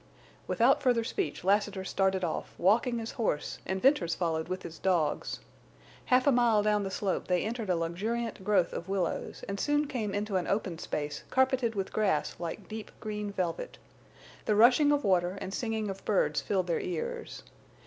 Without further speech Lassiter started off, walking his horse and Venters followed with his dogs. Half a mile down the slope they entered a luxuriant growth of willows, and soon came into an open space carpeted with grass like deep green velvet. The rushing of water and singing of birds filled their ears.